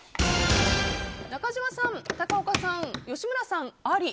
中島さん、高岡さん、吉村さんあり。